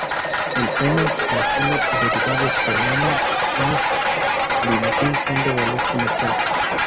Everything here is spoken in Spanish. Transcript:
El "N"-metilo y derivados de "N","N"-dimetil son de valor comercial.